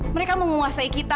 mereka menguasai kita mak